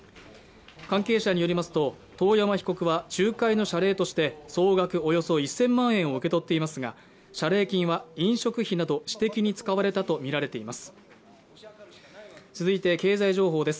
関係者によりますと、遠山被告は仲介の謝礼として総額およそ１０００万円を受け取っていますが謝礼金は飲食費など私的に使われたとみられています。